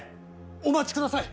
お待ちください。